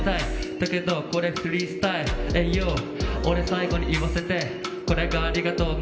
だけど、これフリースタイル俺最後に言わせてこれがありがとうね。